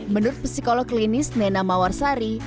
menurut psikolog klinis nena mawarsari